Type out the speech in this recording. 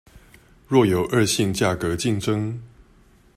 若有惡性價格競爭